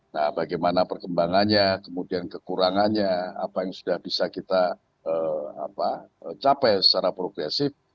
nah bagaimana perkembangannya kemudian kekurangannya apa yang sudah bisa kita capai secara progresif